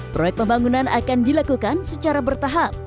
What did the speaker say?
proyek pembangunan akan dilakukan secara bertahap